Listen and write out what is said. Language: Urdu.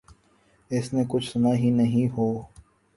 اس نے کچھ سنا ہی نہیں ہو۔